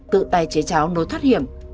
tự tay chế cháo nối thoát hiểm